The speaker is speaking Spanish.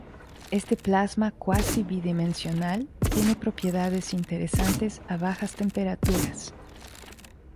Este plasma cuasi bidimensional tiene propiedades interesantes a bajas temperaturas.